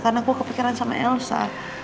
karena aku kepikiran sama elsa